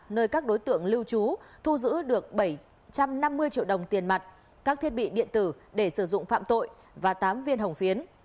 nơi các đối tượng lưu trú thu giữ được bảy trăm năm mươi triệu đồng tiền mặt các thiết bị điện tử để sử dụng phạm tội và tám viên hồng phiến